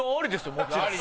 もちろん。